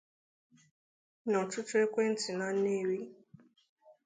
na ọtụtụ ekwentị na Nnewi